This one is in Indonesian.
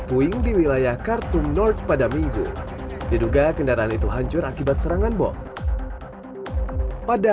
puing di wilayah khartum nort pada minggu diduga kendaraan itu hancur akibat serangan bom pada